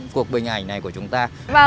cuộc bình ảnh này của chúng ta